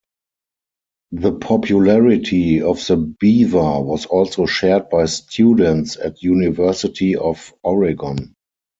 The popularity of the beaver was also shared by students at University of Oregon.